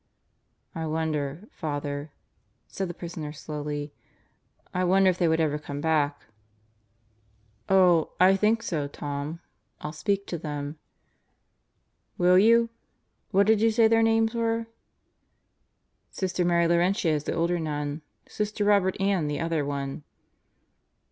"I wonder, Father/' said the prisoner slowly, "I wonder if they could ever come back." "Oh I think so, Tom. Ill speak to them " "Will you? What did you say their names were?" "Sister Mary Laurentia is the older nun. Sister Robert Ann the other one."